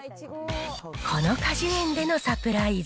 この果樹園でのサプライズ。